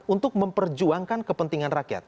untuk memperjuangkan kepentingan rakyat